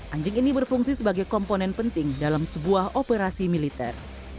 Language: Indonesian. anjing ini berfungsi sebagai komponen penting dalam sebuah operasi militer